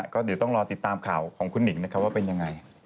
ก็เดี๋ยวต้องรอติดตามข่าวของคุณหนิงนะครับว่าเป็นยังไง